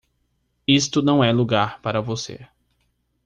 Isto não é lugar para você.